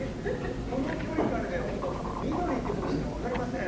この距離からではほんと緑っていうことしか分かりません。